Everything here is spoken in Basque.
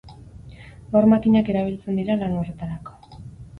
Gaur makinak erabiltzen dira lan horretarako.